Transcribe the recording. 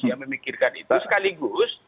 yang memikirkan itu sekaligus